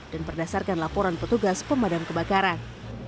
dan berdasarkan laporan petugas pemadam kebakaran